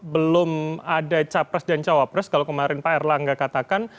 belum ada capres dan cawapres kalau kemarin pak erlangga katakan